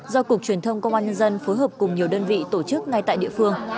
do cục truyền thông công an nhân dân phối hợp cùng nhiều đơn vị tổ chức ngay tại địa phương